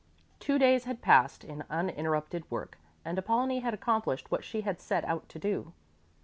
Two days had passed in uninterrupted work, and Apollonie had accomplished what she had set out to do.